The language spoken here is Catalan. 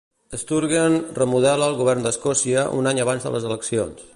Sturgeon remodela el govern d'Escòcia un any abans de les eleccions.